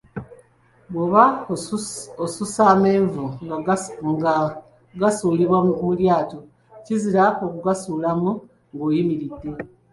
Bwoba osusa amenvu nga gasuulibwa mu lyato, kizira okugasuulamu nga oyimiridde.